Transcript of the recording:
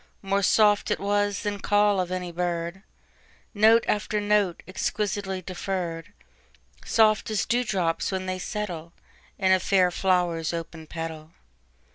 More soft it was than call of any bird, Note after note, exquisitely deferr'd, Soft as dew drops when they settleIn a fair flower's open petal.